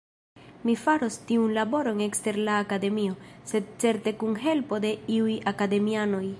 Mi faros tiun laboron ekster la Akademio, sed certe kun helpo de iuj Akademianoj.